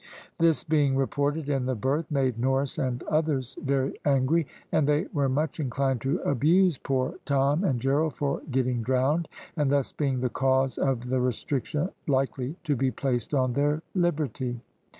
This being reported in the berth made Norris and others very angry, and they were much inclined to abuse poor Tom and Gerald for getting drowned, and thus being the cause of the restriction likely to be placed on their liberty.